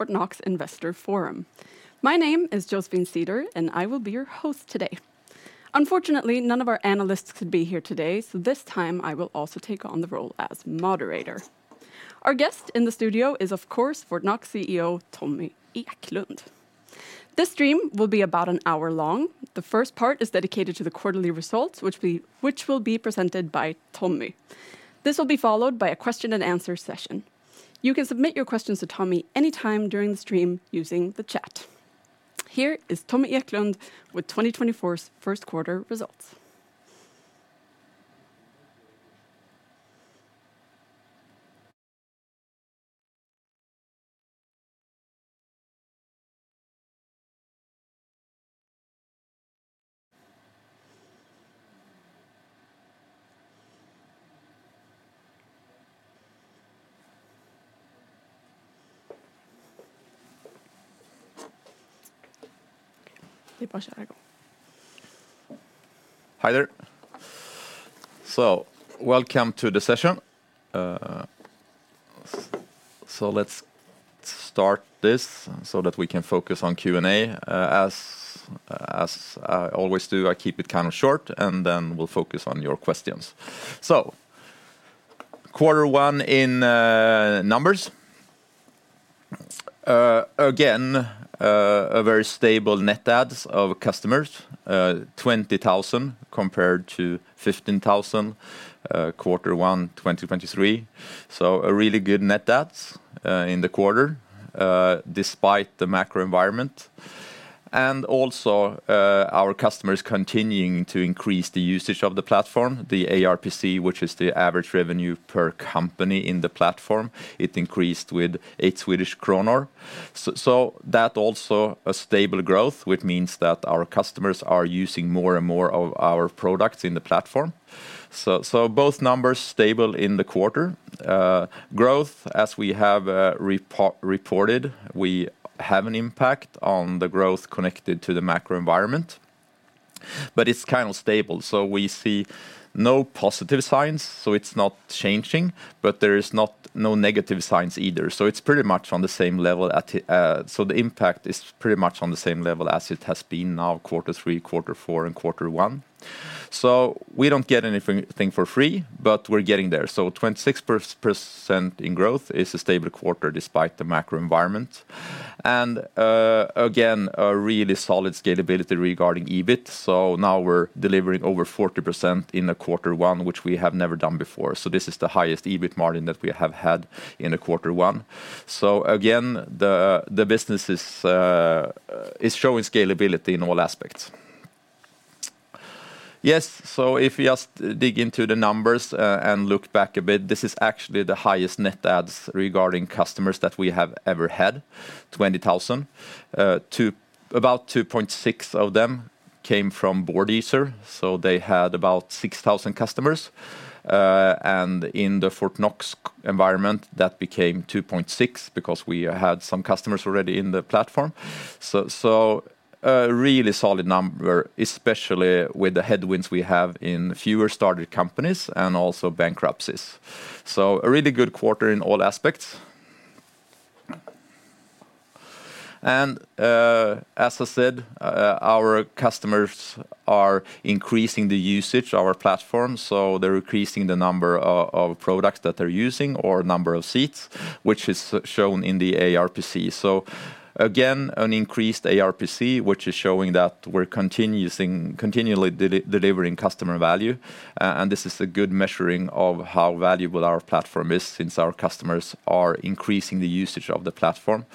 Fortnox Investor Forum. My name is Josefin Ceder, and I will be your host today. Unfortunately, none of our analysts could be here today, so this time I will also take on the role as moderator. Our guest in the studio is, of course, Fortnox CEO Tommy Eklund. This stream will be about an hour long. The first part is dedicated to the quarterly results, which will be presented by Tommy. This will be followed by a question-and-answer session. You can submit your questions to Tommy anytime during the stream using the chat. Here is Tommy Eklund with 2024's first quarter results. Hi there. So welcome to the session. Let's start this so that we can focus on Q&A. As I always do, I keep it kind of short, and then we'll focus on your questions. So, quarter one in numbers. Again, very stable net adds of customers: 20,000 compared to 15,000 quarter one 2023. So a really good net adds in the quarter despite the macro environment. And also, our customers continuing to increase the usage of the platform, the ARPC, which is the average revenue per company in the platform. It increased with 8 Swedish kronor. So that's also a stable growth, which means that our customers are using more and more of our products in the platform. So both numbers stable in the quarter. Growth, as we have reported, we have an impact on the growth connected to the macro environment. But it's kind of stable. So we see no positive signs, so it's not changing. But there are no negative signs either. So it's pretty much on the same level. So the impact is pretty much on the same level as it has been now quarter three, quarter four, and quarter one. So we don't get anything for free, but we're getting there. So 26% in growth is a stable quarter despite the macro environment. And again, a really solid scalability regarding EBIT. So now we're delivering over 40% in quarter one, which we have never done before. So this is the highest EBIT margin that we have had in quarter one. So again, the business is showing scalability in all aspects. Yes, so if we just dig into the numbers and look back a bit, this is actually the highest net adds regarding customers that we have ever had, 20,000. About 2.6 of them came from Boardeaser. So they had about 6,000 customers. And in the Fortnox environment, that became 2.6 because we had some customers already in the platform. So a really solid number, especially with the headwinds we have in fewer started companies and also bankruptcies. So a really good quarter in all aspects. And as I said, our customers are increasing the usage of our platform. So they're increasing the number of products that they're using or number of seats, which is shown in the ARPC. So again, an increased ARPC, which is showing that we're continually delivering customer value. And this is a good measuring of how valuable our platform is since our customers are increasing the usage of the platform.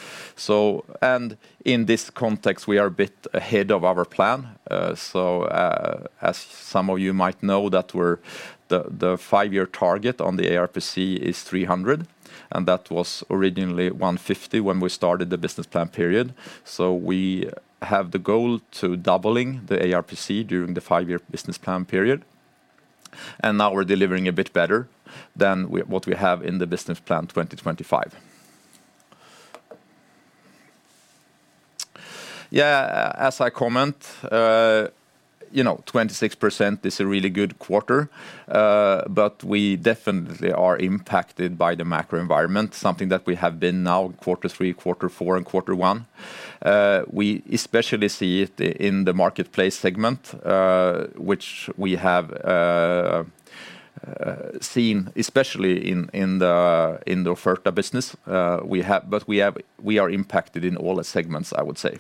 And in this context, we are a bit ahead of our plan. So as some of you might know, the five-year target on the ARPC is 300. That was originally 150 when we started the business plan period. We have the goal of doubling the ARPC during the five-year business plan period. Now we're delivering a bit better than what we have in the business plan 2025. Yeah, as I commented, 26% is a really good quarter. We definitely are impacted by the macro environment, something that we have been now quarter three, quarter four, and quarter one. We especially see it in the marketplace segment, which we have seen especially in the Offerta business. We are impacted in all segments, I would say.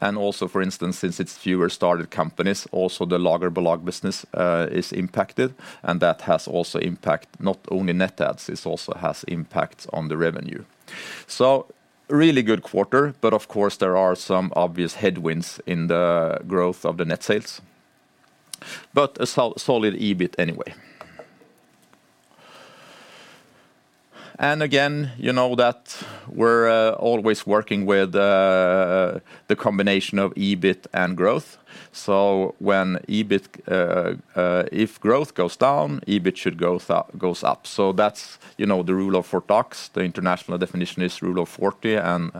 Also, for instance, since it's fewer started companies, also the Lagerbolag business is impacted. That has also impacted not only net adds, it also has impact on the revenue. So a really good quarter. But of course, there are some obvious headwinds in the growth of the net sales. But a solid EBIT anyway. And again, you know that we're always working with the combination of EBIT and growth. So if growth goes down, EBIT should go up. So that's the Rule of Fortnox. The international definition is Rule of 40. And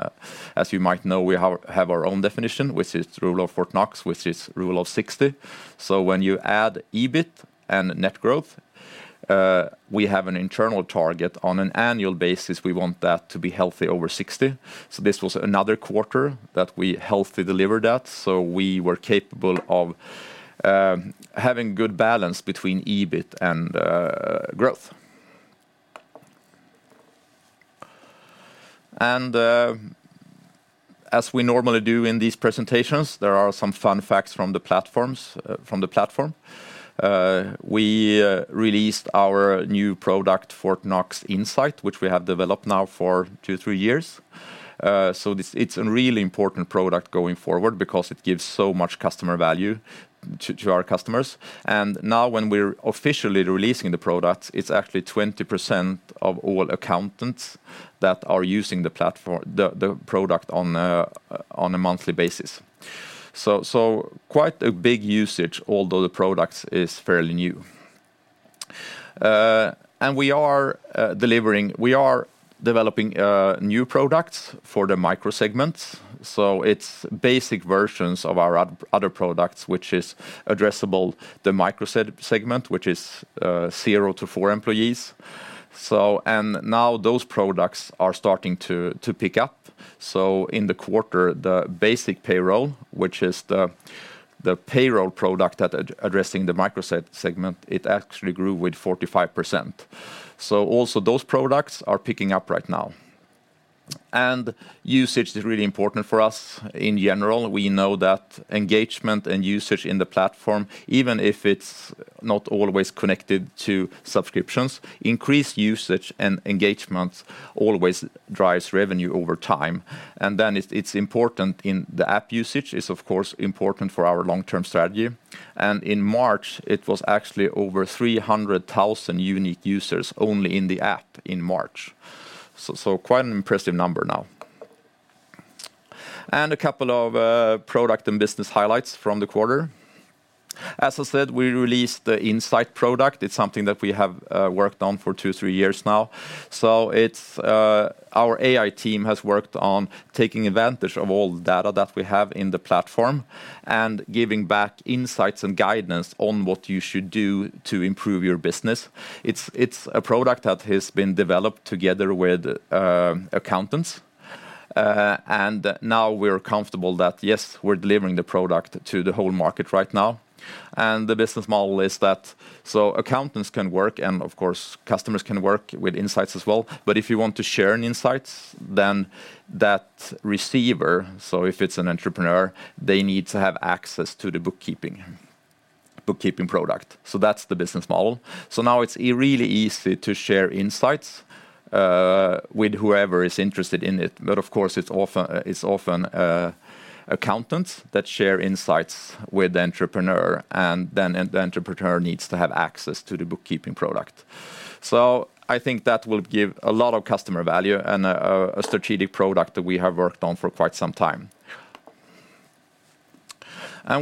as you might know, we have our own definition, which is Rule of Fortnox, which is Rule of 60. So when you add EBIT and net growth, we have an internal target on an annual basis. We want that to be healthy over 60. So this was another quarter that we healthily delivered that. So we were capable of having good balance between EBIT and growth. And as we normally do in these presentations, there are some fun facts from the platform. We released our new product, Fortnox Insight, which we have developed now for 2-3 years. It's a really important product going forward because it gives so much customer value to our customers. Now when we're officially releasing the product, it's actually 20% of all accountants that are using the product on a monthly basis. Quite a big usage, although the product is fairly new. We are developing new products for the micro segments. It's basic versions of our other products, which is addressable to the micro segment, which is 0-4 employees. Now those products are starting to pick up. In the quarter, the basic payroll, which is the payroll product addressing the micro segment, it actually grew with 45%. Also those products are picking up right now. Usage is really important for us in general. We know that engagement and usage in the platform, even if it's not always connected to subscriptions, increased usage and engagement always drives revenue over time. Then it's important in the app usage. It's, of course, important for our long-term strategy. In March, it was actually over 300,000 unique users only in the app in March. So quite an impressive number now. A couple of product and business highlights from the quarter. As I said, we released the Insight product. It's something that we have worked on for 2-3 years now. So our AI team has worked on taking advantage of all data that we have in the platform and giving back insights and guidance on what you should do to improve your business. It's a product that has been developed together with accountants. And now we're comfortable that, yes, we're delivering the product to the whole market right now. And the business model is that accountants can work, and of course, customers can work with insights as well. But if you want to share insights, then that receiver, so if it's an entrepreneur, they need to have access to the bookkeeping product. So that's the business model. So now it's really easy to share insights with whoever is interested in it. But of course, it's often accountants that share insights with the entrepreneur. And then the entrepreneur needs to have access to the bookkeeping product. So I think that will give a lot of customer value and a strategic product that we have worked on for quite some time.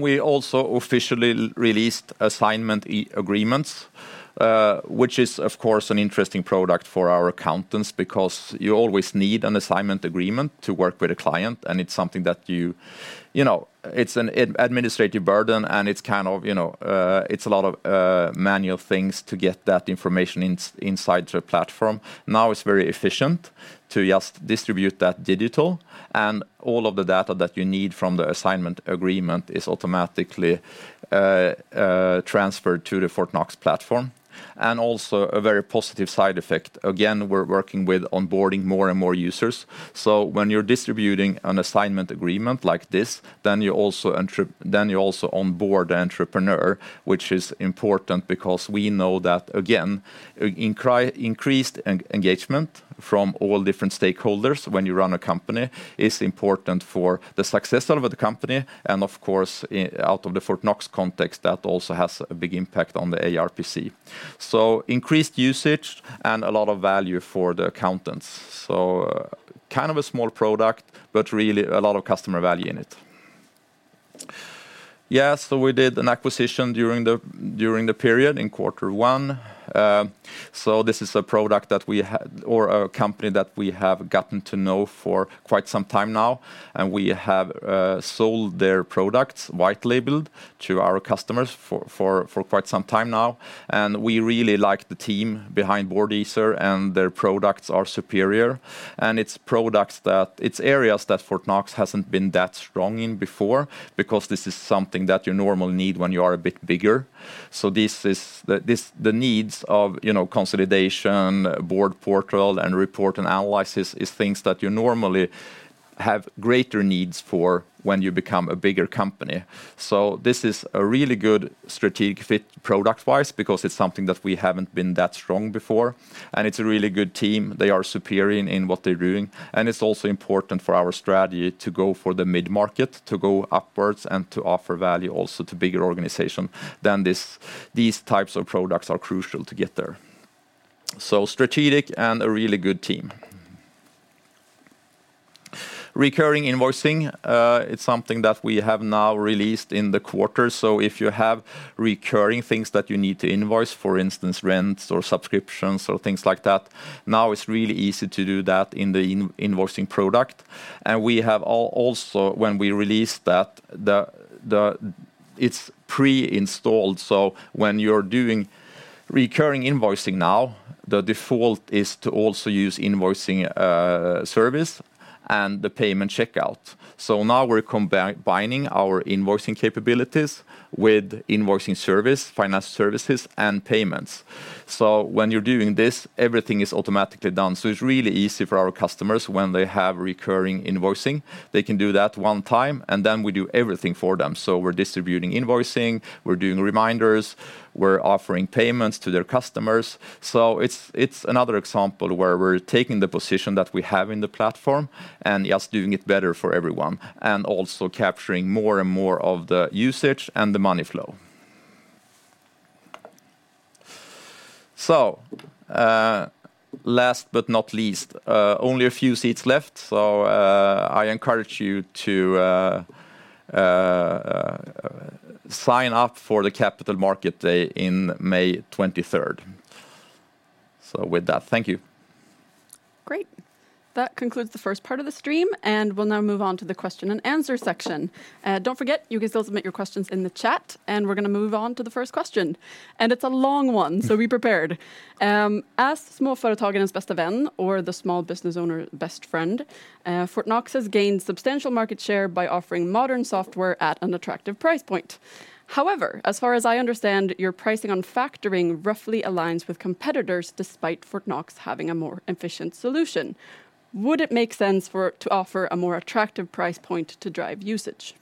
We also officially released assignment agreements, which is, of course, an interesting product for our accountants because you always need an assignment agreement to work with a client. It's something that you... It's an administrative burden, and it's kind of... It's a lot of manual things to get that information inside the platform. Now it's very efficient to just distribute that digital. All of the data that you need from the assignment agreement is automatically transferred to the Fortnox platform. Also a very positive side effect. Again, we're working with onboarding more and more users. When you're distributing an assignment agreement like this, then you also onboard the entrepreneur, which is important because we know that, again, increased engagement from all different stakeholders when you run a company is important for the success of the company. And of course, out of the Fortnox context, that also has a big impact on the ARPC. So increased usage and a lot of value for the accountants. So kind of a small product, but really a lot of customer value in it. Yeah, so we did an acquisition during the period in quarter one. So this is a product that we... or a company that we have gotten to know for quite some time now. And we have sold their products, white-labeled, to our customers for quite some time now. And we really like the team behind Boardeaser. And their products are superior. And it's products that it's areas that Fortnox hasn't been that strong in before because this is something that you normally need when you are a bit bigger. So this is the needs of consolidation, board portal, and report and analysis are things that you normally have greater needs for when you become a bigger company. So this is a really good strategic fit product-wise because it's something that we haven't been that strong before. And it's a really good team. They are superior in what they're doing. And it's also important for our strategy to go for the mid-market, to go upwards, and to offer value also to a bigger organization. Then these types of products are crucial to get there. So strategic and a really good team. Recurring invoicing, it's something that we have now released in the quarter. So if you have recurring things that you need to invoice, for instance, rents or subscriptions or things like that, now it's really easy to do that in the invoicing product. And we have also, when we released that, it's pre-installed. So when you're doing recurring invoicing now, the default is to also use invoicing service and the payment checkout. So now we're combining our invoicing capabilities with invoicing service, financial services, and payments. So when you're doing this, everything is automatically done. So it's really easy for our customers when they have recurring invoicing. They can do that one time, and then we do everything for them. So we're distributing invoicing, we're doing reminders, we're offering payments to their customers. So it's another example where we're taking the position that we have in the platform and just doing it better for everyone and also capturing more and more of the usage and the money flow. So last but not least, only a few seats left. So I encourage you to sign up for the Capital Market Day on May 23rd. So with that, thank you. Great. That concludes the first part of the stream. And we'll now move on to the question and answer section. Don't forget, you can still submit your questions in the chat. And we're going to move on to the first question. And it's a long one, so be prepared. Är småföretagarens bästa vän, or the small business owner's best friend? Fortnox has gained substantial market share by offering modern software at an attractive price point. However, as far as I understand, your pricing on factoring roughly aligns with competitors despite Fortnox having a more efficient solution. Would it make sense to offer a more attractive price point to drive usage?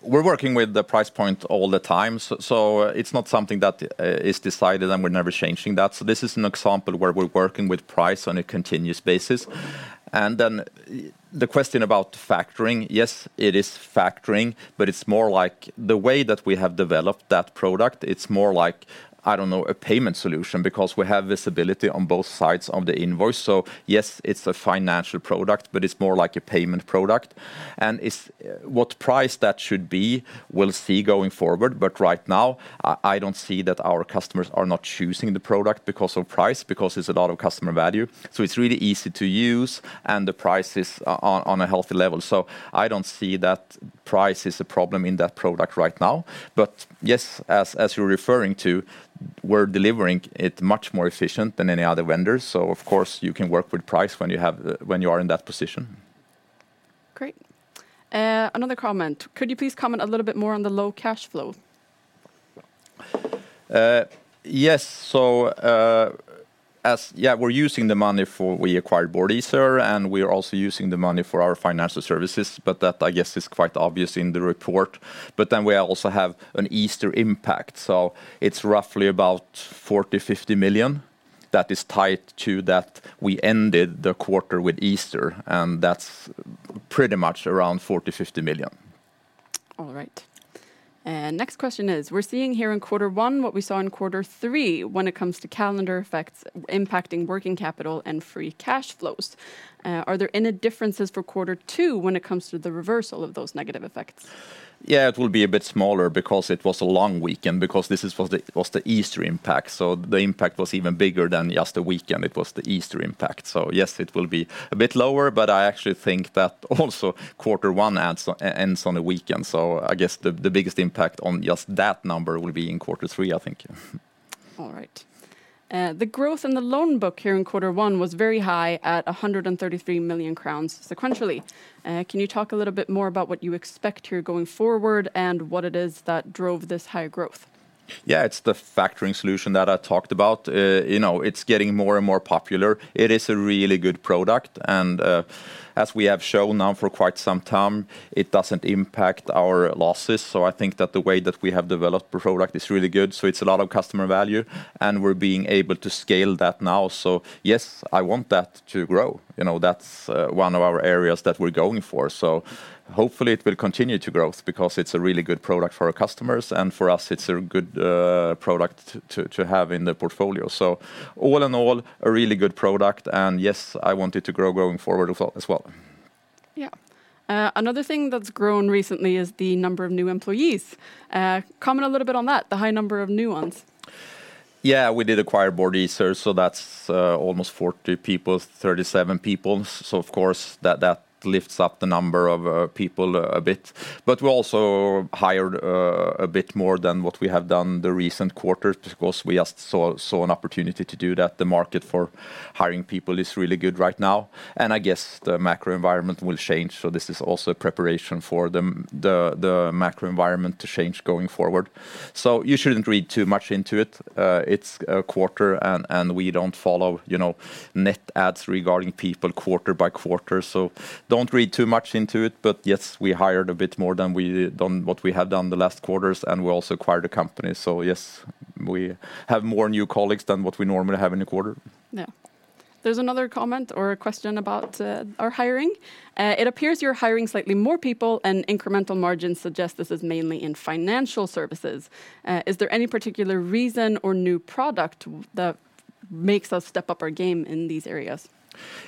We're working with the price point all the time. So it's not something that is decided, and we're never changing that. So this is an example where we're working with price on a continuous basis. And then the question about factoring, yes, it is factoring. But it's more like the way that we have developed that product, it's more like, I don't know, a payment solution because we have visibility on both sides of the invoice. So yes, it's a financial product, but it's more like a payment product. And what price that should be, we'll see going forward. But right now, I don't see that our customers are not choosing the product because of price, because it's a lot of customer value. So it's really easy to use, and the price is on a healthy level. So I don't see that price is a problem in that product right now. But yes, as you're referring to, we're delivering it much more efficient than any other vendor. So of course, you can work with price when you are in that position. Great. Another comment. Could you please comment a little bit more on the low cash flow? Yes. So. Yeah, we're using the money for, we acquired Boardeaser. And we're also using the money for our financial services. But that, I guess, is quite obvious in the report. But then we also have an Easter impact. So it's roughly about 40 million-50 million. That is tied to that we ended the quarter with Easter. And that's pretty much around 40 million-50 million. All right. Next question is: We're seeing here in quarter one what we saw in quarter three when it comes to calendar effects impacting working capital and free cash flows. Are there any differences for quarter two when it comes to the reversal of those negative effects? Yeah, it will be a bit smaller because it was a long weekend, because this was the Easter impact. So the impact was even bigger than just the weekend. It was the Easter impact. So yes, it will be a bit lower. But I actually think that also quarter one ends on a weekend. So I guess the biggest impact on just that number will be in quarter three, I think. All right. The growth in the loan book here in quarter one was very high at 133 million crowns sequentially. Can you talk a little bit more about what you expect here going forward and what it is that drove this high growth? Yeah, it's the factoring solution that I talked about. You know, it's getting more and more popular. It is a really good product. And as we have shown now for quite some time, it doesn't impact our losses. So I guess the way that we have developed the product is really good. So it's a lot of customer value. And we're being able to scale that now. So yes, I want that to grow. You know, that's one of our areas that we're going for. So hopefully, it will continue to grow because it's a really good product for our customers. And for us, it's a good product to have in the portfolio. So all in all, a really good product. And yes, I want it to grow going forward as well. Yeah. Another thing that's grown recently is the number of new employees. Comment a little bit on that, the high number of new ones. Yeah, we did acquire Boardeaser. So that's almost 40 people, 37 people. So of course, that lifts up the number of people a bit. But we also hired a bit more than what we have done the recent quarters because we just saw an opportunity to do that. The market for hiring people is really good right now. And I guess the macro environment will change. So this is also a preparation for the macro environment to change going forward. So you shouldn't read too much into it. It's a quarter, and we don't follow, you know, Net Adds regarding people quarter by quarter. So don't read too much into it. But yes, we hired a bit more than what we have done the last quarters. And we also acquired a company. So yes, we have more new colleagues than what we normally have in a quarter. Yeah. There's another comment or question about our hiring. It appears you're hiring slightly more people. And incremental margins suggest this is mainly in financial services. Is there any particular reason or new product that makes us step up our game in these areas?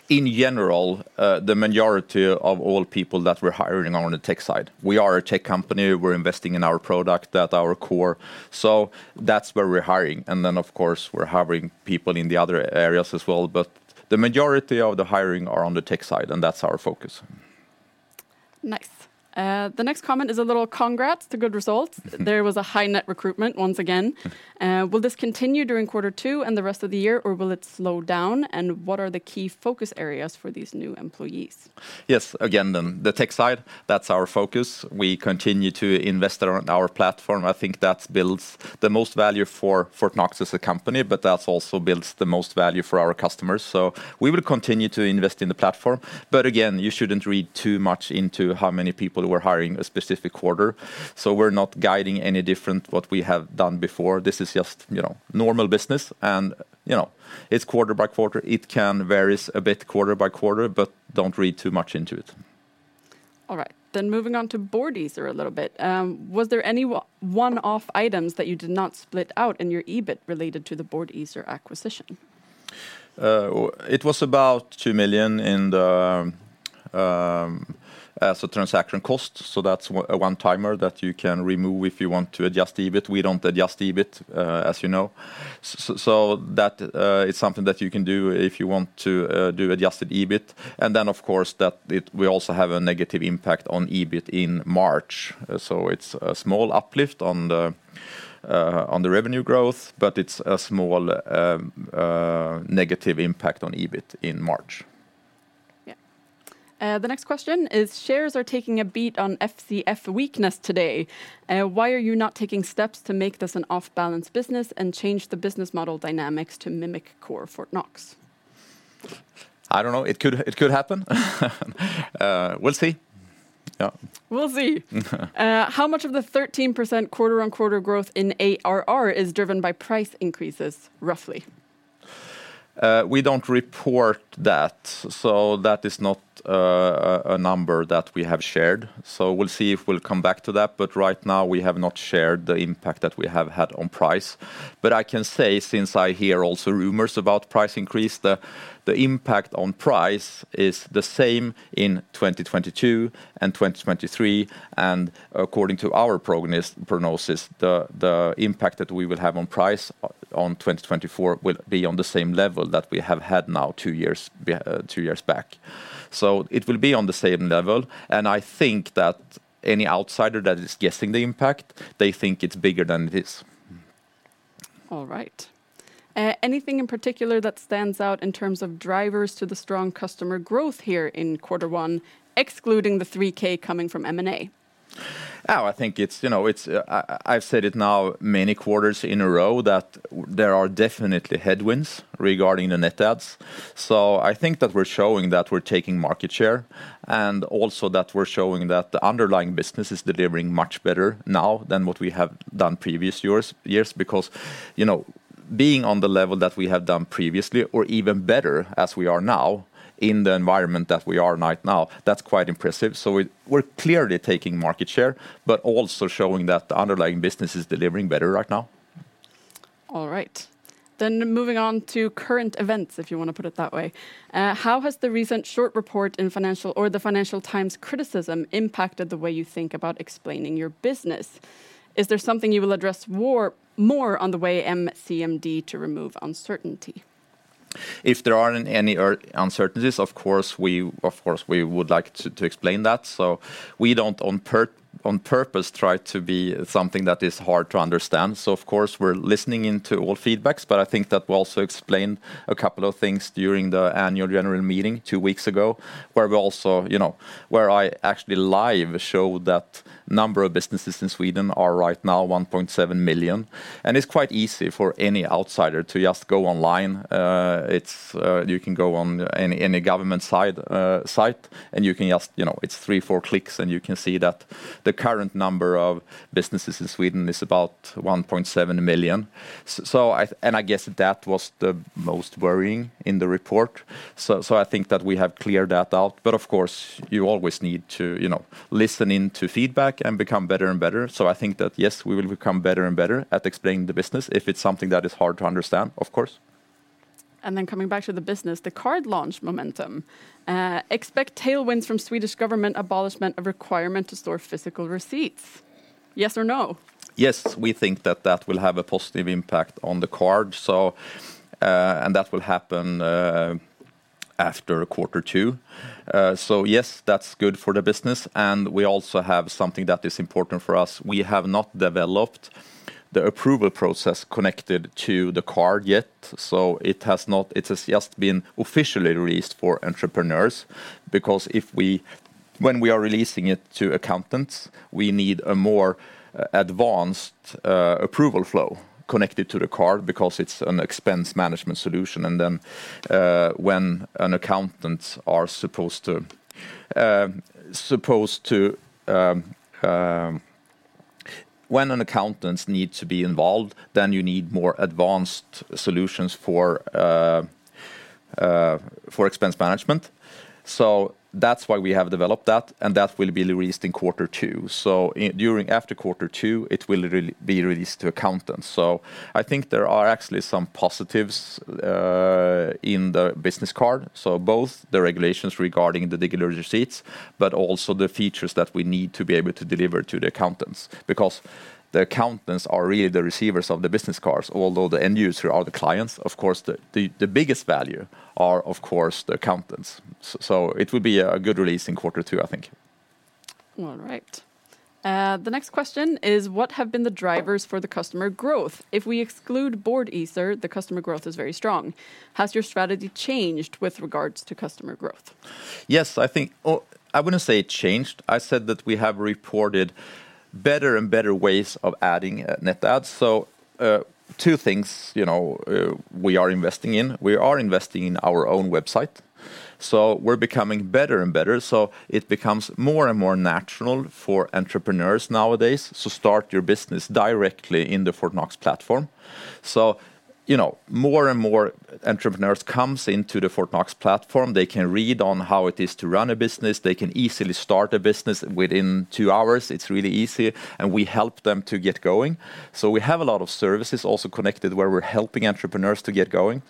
In general, the majority of all people that we're hiring are on the tech side. We are a tech company. We're investing in our product at our core. So that's where we're hiring. And then, of course, we're hiring people in the other areas as well. But the majority of the hiring are on the tech side, and that's our focus. Nice. The next comment is a little congrats to good results. There was a high net recruitment once again. Will this continue during quarter two and the rest of the year, or will it slow down? And what are the key focus areas for these new employees? Yes, again then, the tech side. That's our focus. We continue to invest in our platform. I think that builds the most value for Fortnox as a company. But that also builds the most value for our customers. So we will continue to invest in the platform. But again, you shouldn't read too much into how many people we're hiring a specific quarter. So we're not guiding any different what we have done before. This is just normal business. And you know, it's quarter by quarter. It can vary a bit quarter by quarter. But don't read too much into it. All right. Then moving on to Boardeaser a little bit. Was there any one-off items that you did not split out in your EBIT related to the Boardeaser acquisition? It was about 2 million in the, as a transaction cost. So that's a one-timer that you can remove if you want to adjust EBIT. We don't adjust EBIT, as you know. So that is something that you can do if you want to do adjusted EBIT. And then, of course, that we also have a negative impact on EBIT in March. So it's a small uplift on the revenue growth. But it's a small negative impact on EBIT in March. Yeah. The next question is: Shares are taking a beat on FCF weakness today. Why are you not taking steps to make this an off-balance business and change the business model dynamics to mimic core Fortnox? I don't know. It could happen. We'll see. Yeah. We'll see. How much of the 13% quarter-on-quarter growth in ARR is driven by price increases, roughly? We don't report that. So that is not a number that we have shared. So we'll see if we'll come back to that. But right now, we have not shared the impact that we have had on price. But I can say, since I hear also rumors about price increases, the impact on price is the same in 2022 and 2023. And according to our prognosis, the impact that we will have on price in 2024 will be on the same level that we have had now two years back. So it will be on the same level. And I think that any outsider that is guessing the impact, they think it's bigger than it is. All right. Anything in particular that stands out in terms of drivers to the strong customer growth here in quarter one, excluding the 3K coming from M&A? Oh, I think it's, you know, it's, I've said it now many quarters in a row that there are definitely headwinds regarding the net adds. So I think that we're showing that we're taking market share. And also that we're showing that the underlying business is delivering much better now than what we have done previous years because, you know, being on the level that we have done previously, or even better as we are now in the environment that we are in right now, that's quite impressive. So we're clearly taking market share but also showing that the underlying business is delivering better right now. Alright. Then moving on to current events, if you want to put it that way. How has the recent short report in financial or the Financial Times' criticism impacted the way you think about explaining your business? Is there something you will address more on the way MCMD to remove uncertainty? If there are any uncertainties, of course, we would like to explain that. So we don't on purpose try to be something that is hard to understand. So, of course, we're listening into all feedbacks. But I think that we also explained a couple of things during the annual general meeting two weeks ago where we also, you know, where I actually live showed that the number of businesses in Sweden are right now 1.7 million. And it's quite easy for any outsider to just go online. You can go on any government site. And you can just... you know, it's three, four clicks, and you can see that the current number of businesses in Sweden is about 1.7 million. So, and I guess that was the most worrying in the report. So I think that we have cleared that out. But, of course, you always need to, you know, listen into feedback and become better and better. So I think that, yes, we will become better and better at explaining the business if it's something that is hard to understand, of course. And then coming back to the business, the card launch momentum. Expect tailwinds from Swedish government abolishment of requirement to store physical receipts. Yes or no? Yes, we think that that will have a positive impact on the card. So, and that will happen after quarter two. So yes, that's good for the business. And we also have something that is important for us. We have not developed the approval process connected to the card yet. So it has just been officially released for entrepreneurs. Because when we are releasing it to accountants, we need a more advanced approval flow connected to the card because it's an expense management solution. And then, when an accountant is supposed to... supposed to...When an accountant needs to be involved, then you need more advanced solutions for, for expense management. So that's why we have developed that. And that will be released in quarter two. So during after quarter two, it will be released to accountants. So I think there are actually some positives in the business card. So both the regulations regarding the digital receipts but also the features that we need to be able to deliver to the accountants. Because the accountants are really the receivers of the business cards, although the end users are the clients. Of course, the biggest value is, of course, the accountants. So it will be a good release in quarter two, I think. All right. The next question is: What have been the drivers for the customer growth? If we exclude Boardeaser, the customer growth is very strong. Has your strategy changed with regards to customer growth? Yes, I think, I wouldn't say it changed. I said that we have reported better and better ways of adding net adds. So, two things, you know, we are investing in. We are investing in our own website. So we're becoming better and better. So it becomes more and more natural for entrepreneurs nowadays to start your business directly in the Fortnox platform. So, you know, more and more entrepreneurs come into the Fortnox platform. They can read on how it is to run a business. They can easily start a business within two hours. It's really easy. And we help them to get going. So we have a lot of services also connected where we're helping entrepreneurs to get going.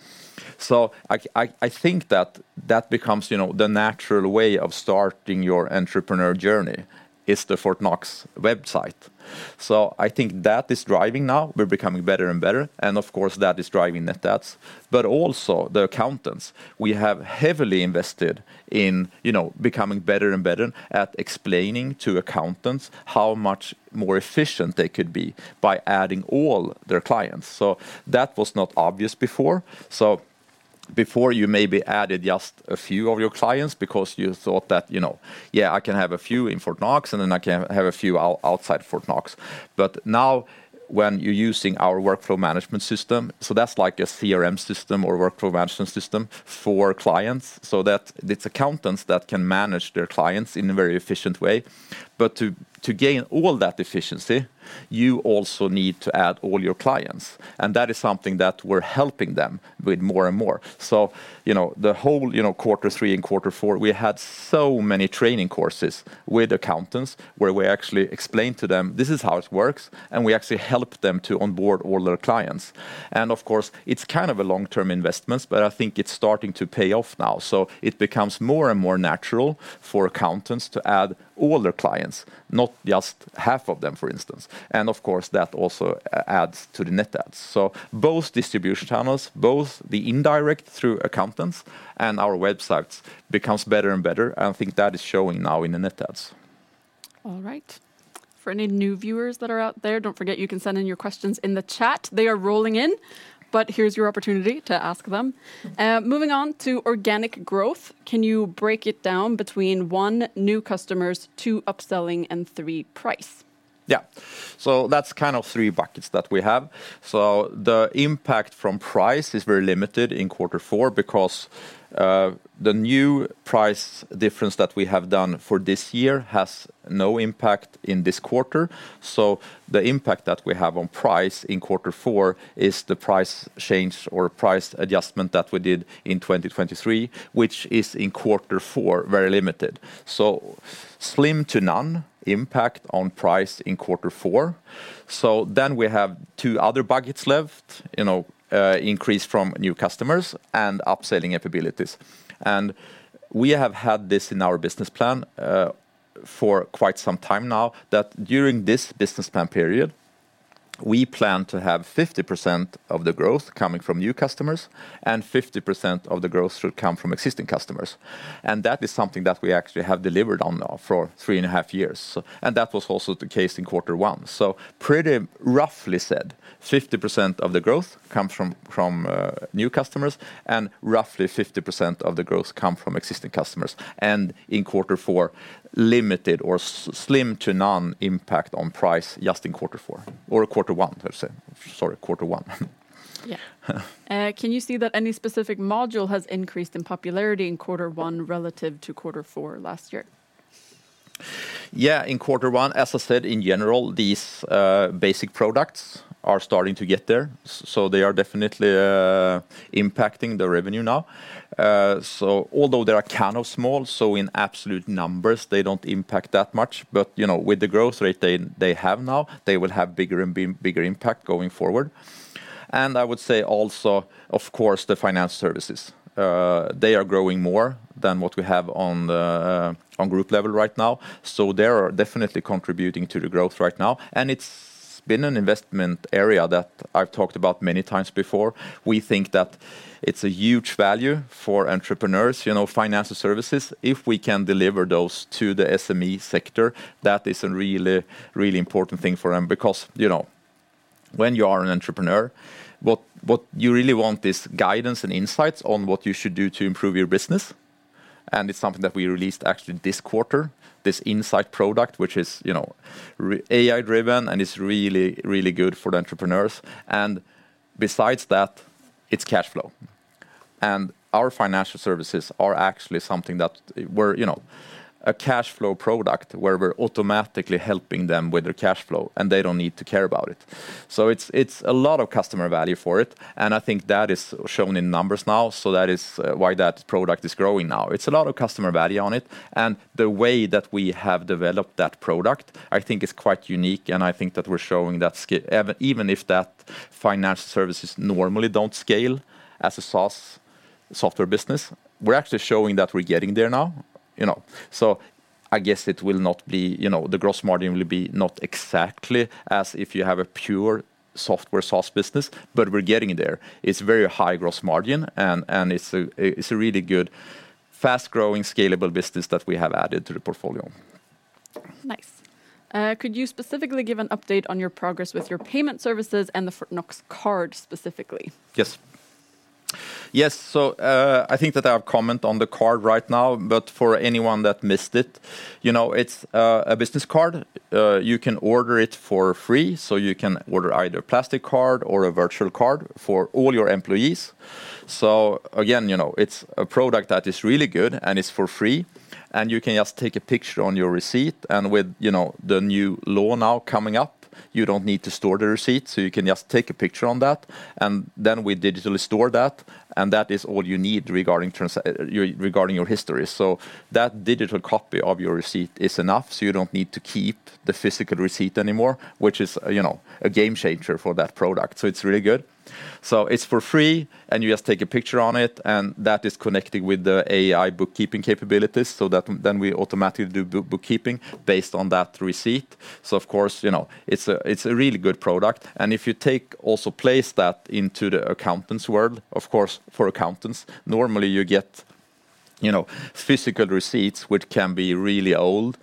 So I think that that becomes, you know, the natural way of starting your entrepreneur journey is the Fortnox website. So I think that is driving now. We're becoming better and better. And, of course, that is driving net adds. But also the accountants. We have heavily invested in, you know, becoming better and better at explaining to accountants how much more efficient they could be by adding all their clients. So that was not obvious before. So before, you maybe added just a few of your clients because you thought that, you know, yeah, I can have a few in Fortnox and then I can have a few outside Fortnox. But now, when you're using our workflow management system, so that's like a CRM system or workflow management system for clients. So that it's accountants that can manage their clients in a very efficient way. But to gain all that efficiency, you also need to add all your clients. And that is something that we're helping them with more and more. So, you know, the whole, you know, quarter three and quarter four, we had so many training courses with accountants where we actually explained to them, "This is how it works." And we actually helped them to onboard all their clients. And, of course, it's kind of a long-term investment, but I think it's starting to pay off now. So it becomes more and more natural for accountants to add all their clients, not just half of them, for instance. And, of course, that also adds to the Net Adds. So both distribution channels, both the indirect through accountants and our websites become better and better. And I think that is showing now in the Net Adds. All right. For any new viewers that are out there, don't forget you can send in your questions in the chat. They are rolling in. But here's your opportunity to ask them. Moving on to organic growth. Can you break it down between one, new customers; two, upselling; and three, price? Yeah. So that's kind of three buckets that we have. So the impact from price is very limited in quarter four because... the new price difference that we have done for this year has no impact in this quarter. So the impact that we have on price in quarter four is the price change or price adjustment that we did in 2023, which is in quarter four very limited. So slim to none impact on price in quarter four. So then we have two other buckets left, you know, increase from new customers and upselling capabilities. We have had this in our business plan, for quite some time now, that during this business plan period, we plan to have 50% of the growth coming from new customers and 50% of the growth should come from existing customers. That is something that we actually have delivered on now for three and a half years. That was also the case in quarter one. So pretty roughly said, 50% of the growth comes from new customers and roughly 50% of the growth comes from existing customers. And in quarter four, limited or slim to none impact on price just in quarter four. Or quarter one, let's say. Sorry, quarter one. Yeah. Can you see that any specific module has increased in popularity in quarter one relative to quarter four last year? Yeah, in quarter one, as I said, in general, these basic products are starting to get there. So they are definitely impacting the revenue now. So although they are kind of small, so in absolute numbers, they don't impact that much. But, you know, with the growth rate they have now, they will have bigger and bigger impact going forward. And I would say also, of course, the financial services. They are growing more than what we have on, on group level right now. So they are definitely contributing to the growth right now. And it's been an investment area that I've talked about many times before. We think that it's a huge value for entrepreneurs, you know, financial services. If we can deliver those to the SME sector, that is a really, really important thing for them because, you know... When you are an entrepreneur, what you really want is guidance and insights on what you should do to improve your business. It's something that we released actually this quarter, this insight product, which is, you know, AI-driven and it's really, really good for the entrepreneurs. Besides that, it's cash flow. Our financial services are actually something that we're, you know, a cash flow product where we're automatically helping them with their cash flow and they don't need to care about it. So it's a lot of customer value for it. I think that is shown in numbers now. So that is why that product is growing now. It's a lot of customer value on it. The way that we have developed that product, I think, is quite unique. I think that we're showing that even if that financial services normally don't scale as a SaaS software business, we're actually showing that we're getting there now, you know. I guess it will not be... you know, the gross margin will be not exactly as if you have a pure software SaaS business, but we're getting there. It's very high gross margin. It's a really good... fast-growing, scalable business that we have added to the portfolio. Nice. Could you specifically give an update on your progress with your payment services and the Fortnox Card specifically? Yes. Yes, I think that I have commented on the card right now. But for anyone that missed it, you know, it's a business card. You can order it for free. So you can order either a plastic card or a virtual card for all your employees. So again, you know, it's a product that is really good and it's for free. And you can just take a picture on your receipt. And with, you know, the new law now coming up, you don't need to store the receipt. So you can just take a picture on that. And then we digitally store that. And that is all you need regarding your history. So that digital copy of your receipt is enough. So you don't need to keep the physical receipt anymore, which is, you know, a game changer for that product. So it's really good. So it's for free. And you just take a picture on it. And that is connected with the AI bookkeeping capabilities. So then we automatically do bookkeeping based on that receipt. So, of course, you know, it's a really good product. If you take also place that into the accountants' world, of course, for accountants, normally you get... you know, physical receipts, which can be really old.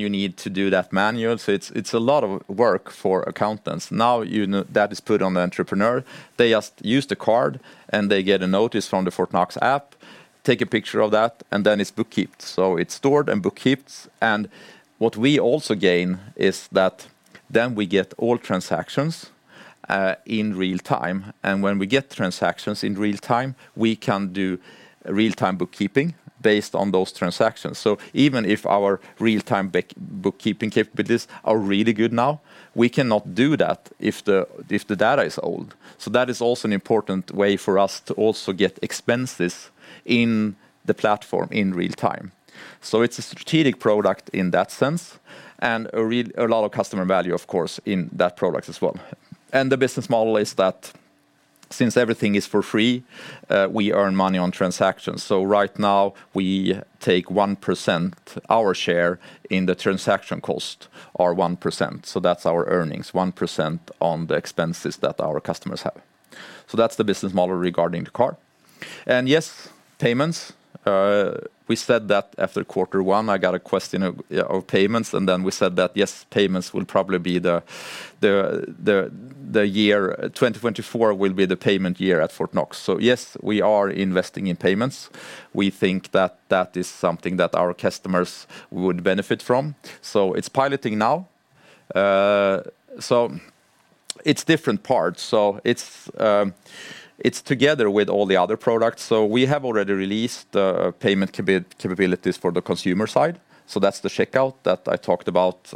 You need to do that manually. So it's a lot of work for accountants. Now you know that is put on the entrepreneur. They just use the card and they get a notice from the Fortnox app. Take a picture of that and then it's bookkept. So it's stored and bookkept. What we also gain is that then we get all transactions, in real time. When we get transactions in real time, we can do real-time bookkeeping based on those transactions. So even if our real-time bookkeeping capabilities are really good now, we cannot do that if the data is old. That is also an important way for us to also get expenses in the platform in real time. It's a strategic product in that sense. A lot of customer value, of course, in that product as well. The business model is that, since everything is for free, we earn money on transactions. Right now, we take 1%, our share in the transaction cost, our 1%. That's our earnings, 1% on the expenses that our customers have. That's the business model regarding the card. Yes, payments. We said that after quarter one, I got a question of payments. Then we said that yes, payments will probably be the year 2024 will be the payment year at Fortnox. Yes, we are investing in payments. We think that that is something that our customers would benefit from. So it's piloting now. It's different parts. So it's together with all the other products. So we have already released the payment capabilities for the consumer side. So that's the checkout that I talked about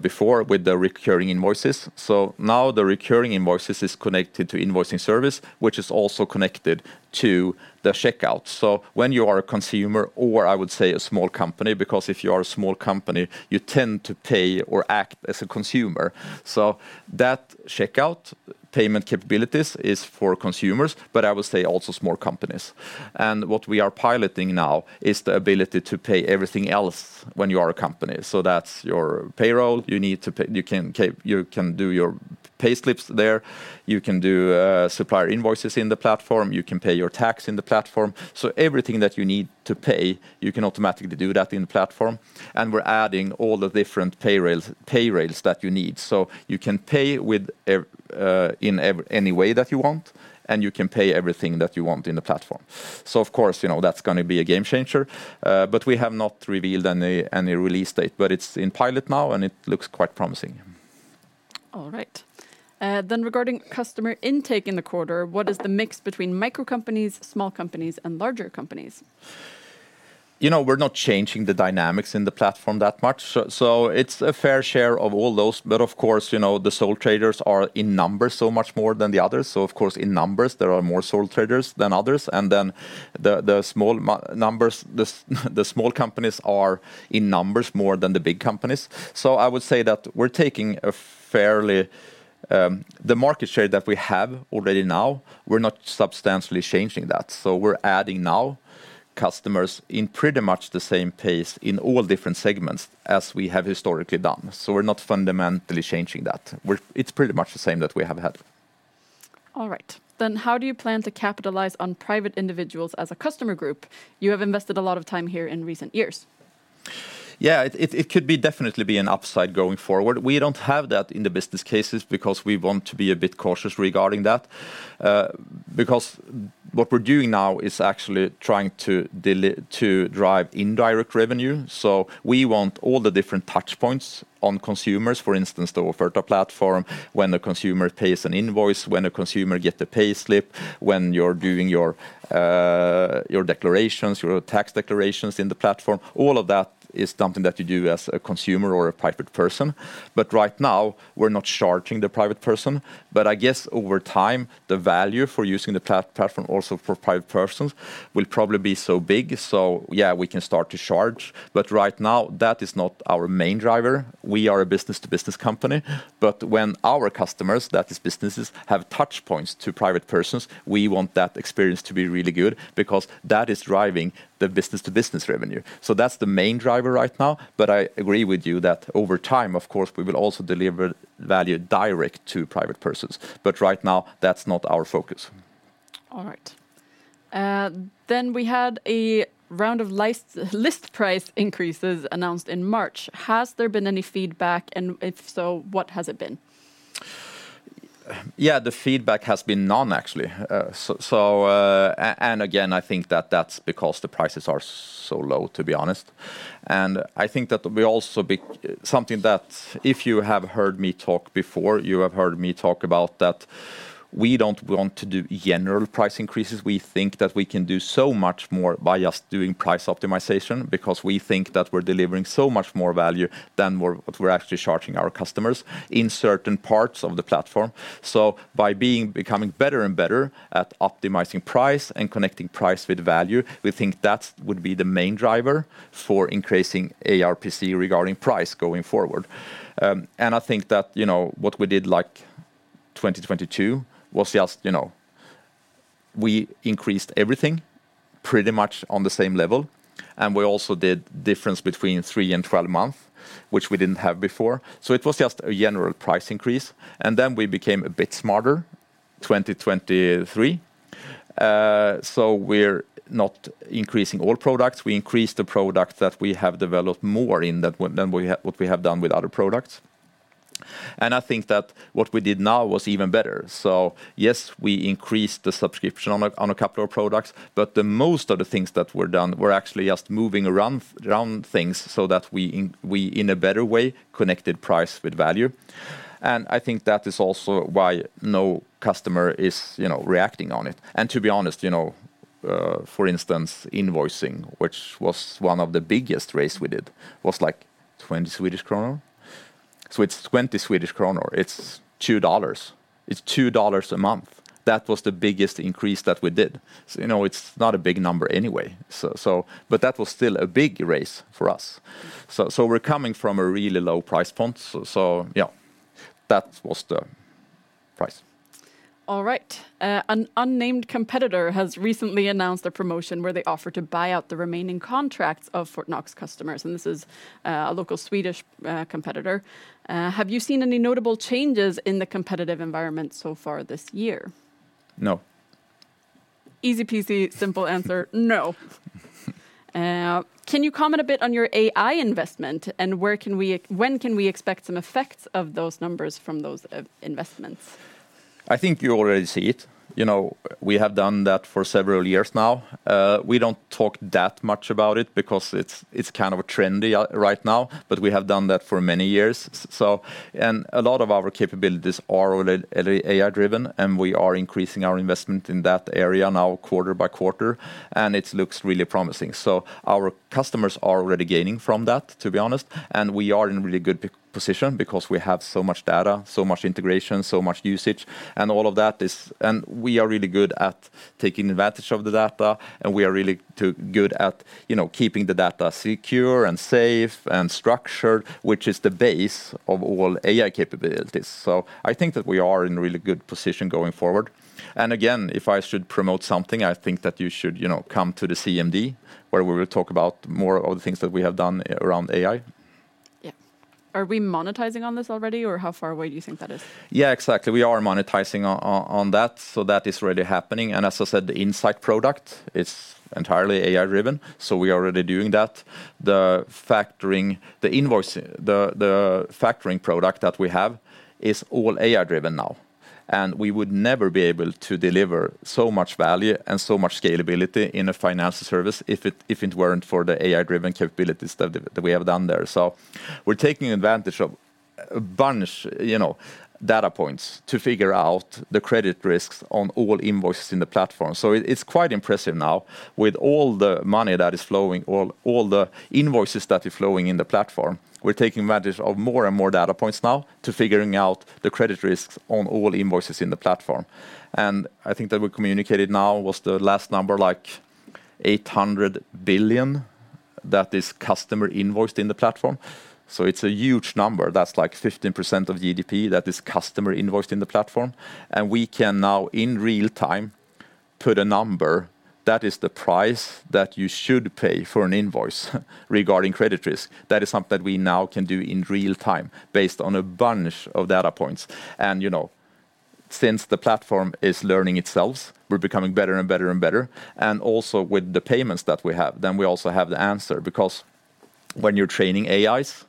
before with the recurring invoices. So now the recurring invoices are connected to invoicing service, which is also connected to the checkout. So when you are a consumer or, I would say, a small company, because if you are a small company, you tend to pay or act as a consumer. So that checkout payment capabilities are for consumers, but I would say also small companies. And what we are piloting now is the ability to pay everything else when you are a company. So that's your payroll. You need to pay. You can do your payslips there. You can do supplier invoices in the platform. You can pay your tax in the platform. So everything that you need to pay, you can automatically do that in the platform. And we're adding all the different pay rails that you need. So you can pay with, in any way that you want. And you can pay everything that you want in the platform. So, of course, you know, that's going to be a game changer. But we have not revealed any release date. But it's in pilot now and it looks quite promising. All right. Then regarding customer intake in the quarter, what is the mix between micro companies, small companies, and larger companies? You know, we're not changing the dynamics in the platform that much. So it's a fair share of all those. But, of course, you know, the sole traders are in numbers so much more than the others. So, of course, in numbers, there are more sole traders than others. And then the small numbers, the small companies are in numbers more than the big companies. So I would say that we're taking a fairly, the market share that we have already now, we're not substantially changing that. So we're adding now, customers in pretty much the same pace in all different segments as we have historically done. So we're not fundamentally changing that. It's pretty much the same that we have had. All right. Then how do you plan to capitalize on private individuals as a customer group you have invested a lot of time here in recent years? Yeah, it could definitely be an upside going forward. We don't have that in the business cases because we want to be a bit cautious regarding that because what we're doing now is actually trying to del... to drive indirect revenue. So we want all the different touchpoints on consumers, for instance, the Offerta platform, when a consumer pays an invoice, when a consumer gets a payslip, when you're doing your tax declarations in the platform. All of that is something that you do as a consumer or a private person. But right now, we're not charging the private person. But I guess over time, the value for using the platform also for private persons will probably be so big. So yeah, we can start to charge. But right now, that is not our main driver. We are a business-to-business company. But when our customers, that is businesses, have touchpoints to private persons, we want that experience to be really good because that is driving the business-to-business revenue. So that's the main driver right now. But I agree with you that over time, of course, we will also deliver value direct to private persons. But right now, that's not our focus. All right. Then we had a round of list price increases announced in March. Has there been any feedback? And if so, what has it been? Yeah, the feedback has been none, actually. So, and again, I think that that's because the prices are so low, to be honest. And I think that we also become something that if you have heard me talk before, you have heard me talk about that, we don't want to do general price increases. We think that we can do so much more by just doing price optimization because we think that we're delivering so much more value than what we're actually charging our customers in certain parts of the platform. So by becoming better and better at optimizing price and connecting price with value, we think that would be the main driver for increasing ARPC regarding price going forward. And I think that, you know, what we did like, 2022 was just, you know, we increased everything pretty much on the same level. And we also did the difference between three and 12 months, which we didn't have before. So it was just a general price increase. And then we became a bit smarter in 2023. So we're not increasing all products. We increased the product that we have developed more in than what we have done with other products. And I think that what we did now was even better. So yes, we increased the subscription on a couple of products. But the most of the things that were done were actually just moving around things so that we, in a better way, connected price with value. And I think that is also why no customer is, you know, reacting on it. And to be honest, you know, for instance, invoicing, which was one of the biggest raises we did, was like... 20 Swedish kronor? So it's 20 Swedish kronor. It's $2. It's $2 a month. That was the biggest increase that we did. You know, it's not a big number anyway. So, but that was still a big raise for us. So we're coming from a really low price point. So yeah, that was the, price. All right. An unnamed competitor has recently announced a promotion where they offer to buy out the remaining contracts of Fortnox customers. And this is a local Swedish competitor. Have you seen any notable changes in the competitive environment so far this year? No. Easy peasy, simple answer: no. Can you comment a bit on your AI investment? And where can we, when can we expect some effects of those numbers from those investments? I think you already see it. You know, we have done that for several years now. We don't talk that much about it because it's kind of trendy right now. But we have done that for many years. So... and a lot of our capabilities are already AI-driven. And we are increasing our investment in that area now quarter by quarter. And it looks really promising. So our customers are already gaining from that, to be honest. And we are in a really good position because we have so much data, so much integration, so much usage. And all of that is. We are really good at taking advantage of the data. We are really good at, you know, keeping the data secure and safe and structured, which is the base of all AI capabilities. So I think that we are in a really good position going forward. Again, if I should promote something, I think that you should, you know, come to the CMD, where we will talk about more of the things that we have done around AI. Yeah. Are we monetizing on this already? Or how far away do you think that is? Yeah, exactly. We are monetizing on that. So that is already happening. As I said, the insight product is entirely AI-driven. So we are already doing that. The factoring... the invoicing, the factoring product that we have is all AI-driven now. We would never be able to deliver so much value and so much scalability in a financial service if it weren't for the AI-driven capabilities that we have done there. So we're taking advantage of a bunch, you know, data points to figure out the credit risks on all invoices in the platform. So it's quite impressive now. With all the money that is flowing, all the invoices that are flowing in the platform, we're taking advantage of more and more data points now to figure out the credit risks on all invoices in the platform. And I think that we communicated now was the last number like, 800 billion that is customer invoiced in the platform. So it's a huge number. That's like 15% of GDP that is customer invoiced in the platform. And we can now, in real time, put a number that is the price that you should pay for an invoice regarding credit risk. That is something that we now can do in real time based on a bunch of data points. And, you know, since the platform is learning itself, we're becoming better and better and better. And also with the payments that we have, then we also have the answer. Because, when you're training AIs,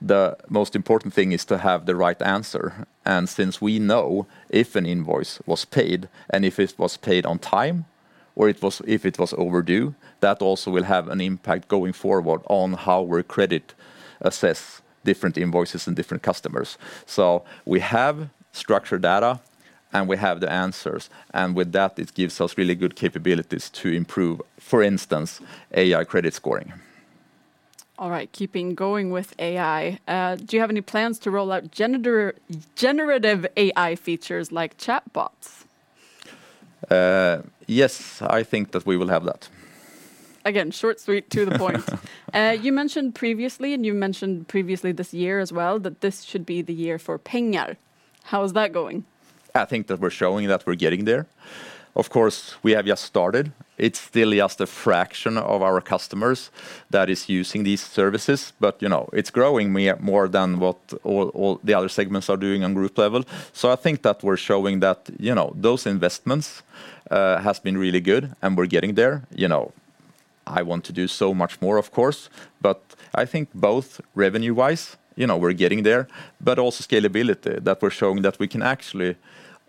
the most important thing is to have the right answer. And since we know if an invoice was paid and if it was paid on time, or if it was overdue, that also will have an impact going forward on how we're credit assess different invoices and different customers. So we have structured data. And we have the answers. And with that, it gives us really good capabilities to improve, for instance, AI credit scoring. All right. Keep going with AI. Do you have any plans to roll out generative AI features like chatbots? Yes, I think that we will have thatP Again, short, sweet, to the point. You mentioned previously, and you mentioned previously this year as well, that this should be the year for Pengar. How is that going? I think that we're showing that we're getting there. Of course, we have just started. It's still just a fraction of our customers that is using these services. But, you know, it's growing more than what all the other segments are doing on group level. So I think that we're showing that, you know, those investments, has been really good and we're getting there. You know, I want to do so much more, of course. But I think both revenue-wise, you know, we're getting there. But also scalability, that we're showing that we can actually,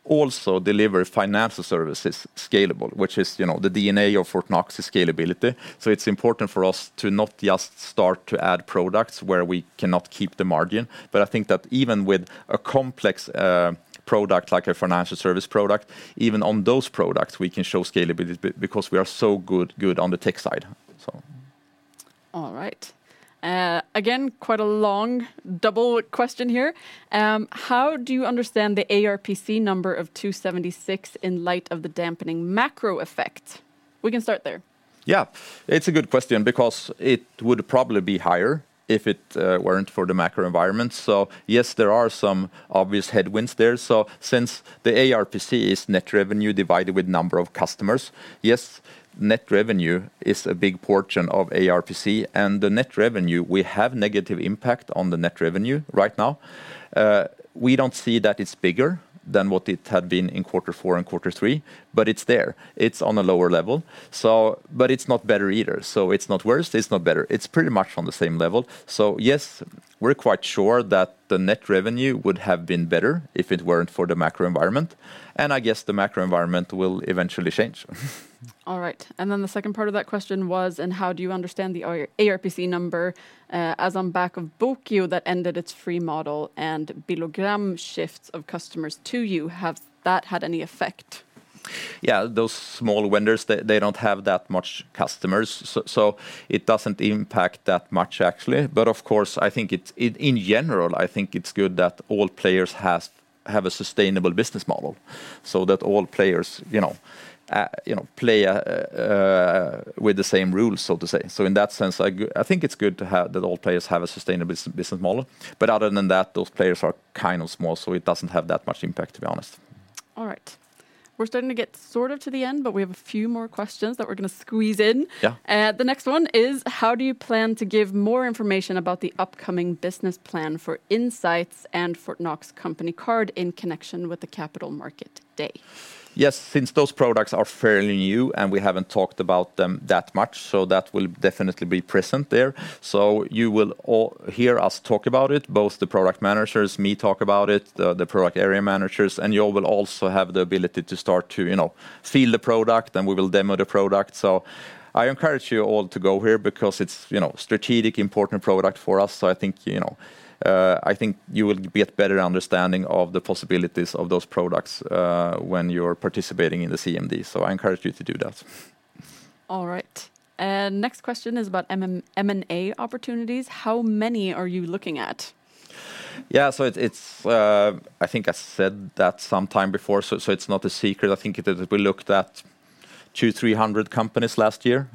Also deliver financial services scalable, which is, you know, the DNA of Fortnox is scalability. So it's important for us to not just start to add products where we cannot keep the margin. But I think that even with a complex product like a financial service product, even on those products, we can show scalability because we are so good on the tech side. So all right. Again, quite a long double question here. How do you understand the ARPC number of 276 in light of the dampening macro effect? We can start there. Yeah. It's a good question because it would probably be higher if it weren't for the macro environment. So yes, there are some obvious headwinds there. So since the ARPC is net revenue divided with number of customers, yes, net revenue is a big portion of ARPC. And the net revenue, we have negative impact on the net revenue right now. We don't see that it's bigger than what it had been in quarter four and quarter three. But it's there. It's on a lower level. So, but it's not better either. So it's not worse. It's not better. It's pretty much on the same level. So yes, we're quite sure that the net revenue would have been better if it weren't for the macro environment. And I guess the macro environment will eventually change. All right. And then the second part of that question was, and how do you understand the ARPC number as on back of Bokio that ended its free model and Billogram shifts of customers to you, has that had any effect? Yeah, those small vendors, they don't have that much customers. So it doesn't impact that much, actually. But, of course, I think it's, in general, I think it's good that all players have, have a sustainable business model. So that all players, you know, you know, play with the same rules, so to say. So in that sense, I think it's good to have that all players have a sustainable business model. But other than that, those players are kind of small, so it doesn't have that much impact, to be honest. All right. We're starting to get sort of to the end, but we have a few more questions that we're going to squeeze in. Yeah. The next one is, how do you plan to give more information about the upcoming business plan for Fortnox Insight and Fortnox Business Card in connection with the Capital Market Day? Yes, since those products are fairly new and we haven't talked about them that much, so that will definitely be present there. So you will hear us talk about it, both the product managers, me talk about it, the product area managers, and you all will also have the ability to start to, you know, feel the product and we will demo the product. So, I encourage you all to go here because it's, you know, a strategic, important product for us. So I think, you know... I think you will get a better understanding of the possibilities of those products when you're participating in the CMD. So I encourage you to do that. All right. Next question is about M&A opportunities. How many are you looking at? Yeah, so it's, I think I said that sometime before, so it's not a secret. I think that we looked at, 200-300 companies last year.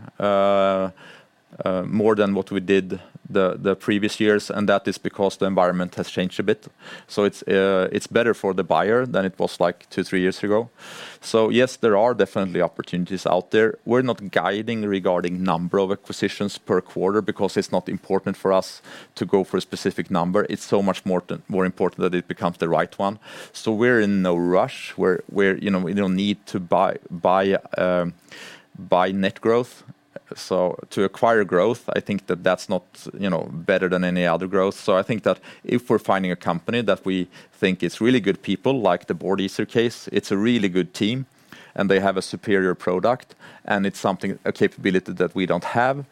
More than what we did the previous years. And that is because the environment has changed a bit. So it's better for the buyer than it was like 2-3 years ago. So yes, there are definitely opportunities out there. We're not guiding regarding number of acquisitions per quarter because it's not important for us to go for a specific number. It's so much more important that it becomes the right one. So we're in no rush. We're, you know, we don't need to buy net growth. So to acquire growth, I think that that's not, you know, better than any other growth. So I think that if we're finding a company that we think is really good people, like the Boardeaser case, it's a really good team. And they have a superior product. And it's something, a capability that we don't have.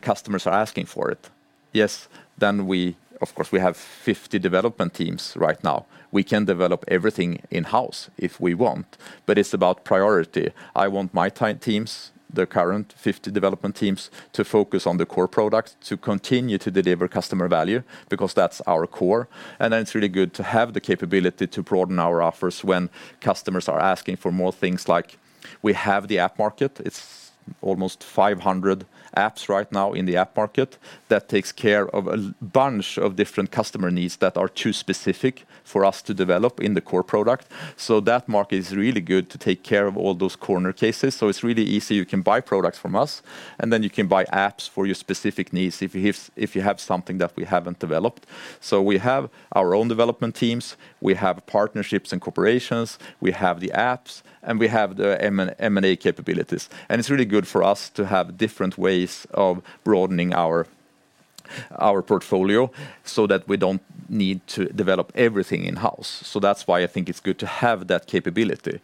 Customers are asking for it. Yes, then we, of course, have 50 development teams right now. We can develop everything in-house if we want. But it's about priority. I want my teams, the current 50 development teams, to focus on the core product, to continue to deliver customer value, because that's our core. And then it's really good to have the capability to broaden our offers when customers are asking for more things like we have the app market. It's almost 500 apps right now in the app market. That takes care of a bunch of different customer needs that are too specific for us to develop in the core product. So that market is really good to take care of all those corner cases. So it's really easy. You can buy products from us. Then you can buy apps for your specific needs if you have something that we haven't developed. So we have our own development teams. We have partnerships and corporations. We have the apps. And we have the M&A capabilities. And it's really good for us to have different ways of broadening our... our portfolio so that we don't need to develop everything in-house. So that's why I think it's good to have that capability.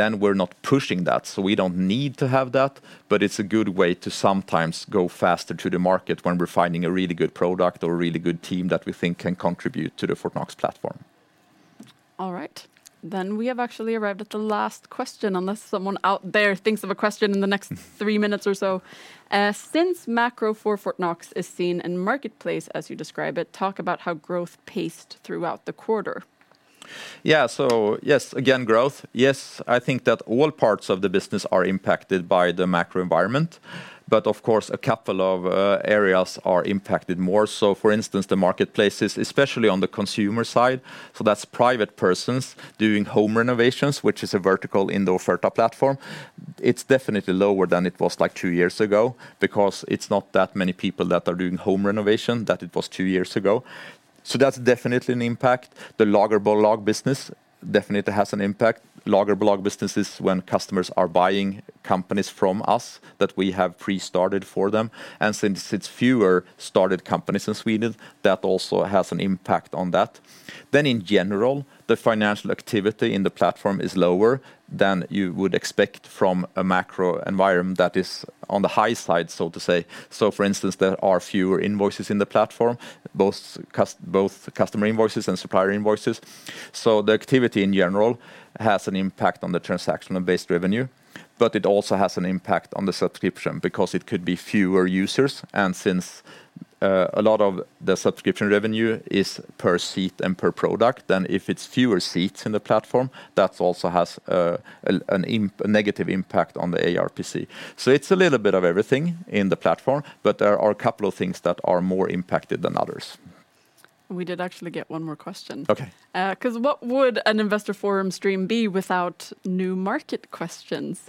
Then we're not pushing that, so we don't need to have that. But it's a good way to sometimes go faster to the market when we're finding a really good product or a really good team that we think can contribute to the Fortnox platform. All right. Then we have actually arrived at the last question, unless someone out there thinks of a question in the next 3 minutes or so. Since macro for Fortnox is seen in marketplace as you describe it, talk about how growth paced throughout the quarter. Yeah, so, yes, again, growth. Yes, I think that all parts of the business are impacted by the macro environment. But, of course, a couple of areas are impacted more. So, for instance, the marketplaces, especially on the consumer side. So that's private persons doing home renovations, which is a vertical indoor further platform. It's definitely lower than it was like two years ago. Because it's not that many people that are doing home renovation that it was two years ago. So that's definitely an impact. The Lagerbolag business definitely has an impact. Lagerbolag business is when customers are buying companies from us that we have pre-started for them. And since it's fewer started companies in Sweden, that also has an impact on that. Then, in general, the financial activity in the platform is lower than you would expect from a macro environment that is... on the high side, so to say. So, for instance, there are fewer invoices in the platform. Both, both customer invoices and supplier invoices. So the activity, in general, has an impact on the transactional-based revenue. But it also has an impact on the subscription because it could be fewer users. And since, a lot of the subscription revenue is per seat and per product, then if it's fewer seats in the platform, that also has a negative impact on the ARPC. So it's a little bit of everything in the platform, but there are a couple of things that are more impacted than others. We did actually get one more question. Okay. Because what would an Investor Forum stream be without new market questions?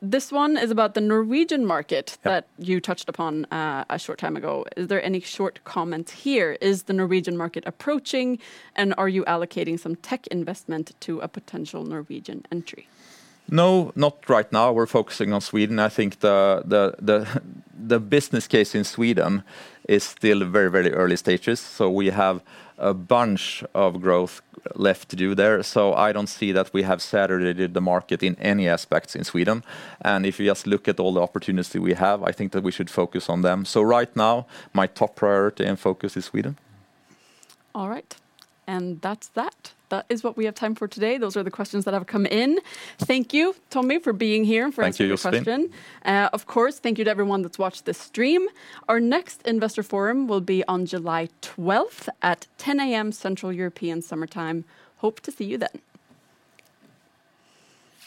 This one is about the Norwegian market that you touched upon a short time ago. Is there any short comments here? Is the Norwegian market approaching? And are you allocating some tech investment to a potential Norwegian entry? No, not right now. We're focusing on Sweden. I think the business case in Sweden is still very, very early stages. So we have a bunch of growth left to do there. So I don't see that we have saturated the market in any aspects in Sweden. And if you just look at all the opportunities we have, I think that we should focus on them. So right now, my top priority and focus is Sweden. All right. And that's that. That is what we have time for today. Those are the questions that have come in. Thank you, Tommy, for being here. Thank you. Josefin. And for answering questions Of course, thank you to everyone that's watched this stream. Our next Investor Forum will be on July 12 at 10:00 A.M. Central European Summer Time. Hope to see you then.